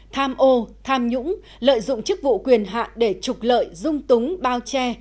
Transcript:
tham ô tham nhũng lợi dụng chức vụ quyền hạn để trục lợi dung túng bao che